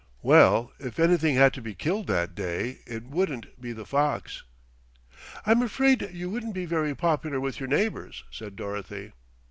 "Well, if anything had to be killed that day it wouldn't be the fox." "I'm afraid you wouldn't be very popular with your neighbours," said Dorothy.